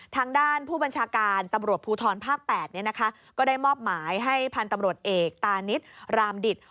ทางด้านผู้บัญชาการตำรวจภูทรภาค๘ก็ได้มอบหมายให้พันธุ์ตำรวจเอกตานิดรามดิต